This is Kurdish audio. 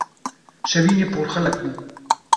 Şevînê porxelek bû.